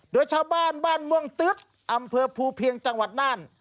โดยชาวบ้านบ้านม่วงตึ๊กอำเภอภูเพียงจังหวัดน่าน